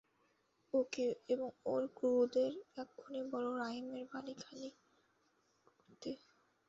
ওকে এবং ওর ক্রুদের এক্ষুনি বলো রাইমের বাড়ি খালি করতে।